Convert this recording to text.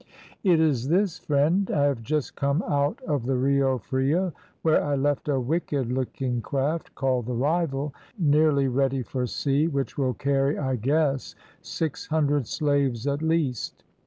"It is this, friend; I have just come out of the Rio Frio, where I left a wicked looking craft, called the Rival, nearly ready for sea, which will carry, I guess, six hundred slaves at least.